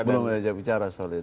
belum diajak bicara soalnya